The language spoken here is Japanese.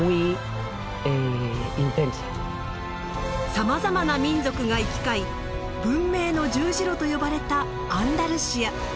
さまざまな民族が行き交い文明の十字路と呼ばれたアンダルシア。